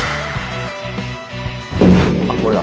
あっこれだ。